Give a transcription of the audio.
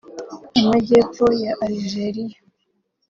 Amajyepfo ya Algeria